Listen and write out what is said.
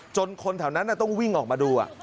คนแถวนั้นต้องวิ่งออกมาดู